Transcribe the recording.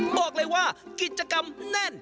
บอกเลยว่ากิจกรรมแน่น